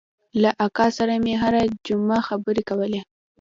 له اکا سره مې هره جمعه خبرې کولې.